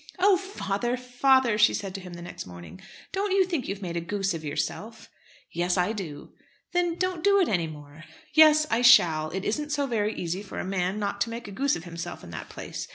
"Oh! father, father," she said to him the next morning, "don't you think you've made a goose of yourself?" "Yes, I do." "Then, don't do it any more." "Yes, I shall. It isn't so very easy for a man not to make a goose of himself in that place.